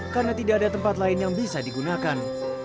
karena tidak ada tempat lain yang bisa digunakan